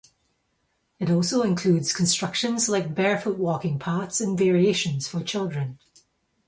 It also includes constructions like barefoot walking paths and variations for children.